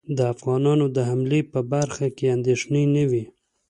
د افغانانو د حملې په برخه کې اندېښنې نه وې.